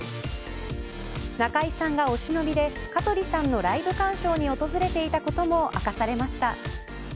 中居さんがお忍びで香取さんのライブ鑑賞に訪れていたことも明かされました。